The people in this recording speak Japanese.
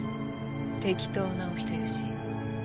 適当なお人好し。